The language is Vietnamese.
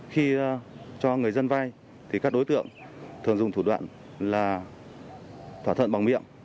khi cho người dân vay thì các đối tượng thường dùng thủ đoạn là thỏa thuận bằng miệng